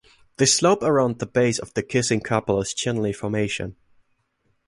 The slope around the base of the Kissing Couple is Chinle Formation.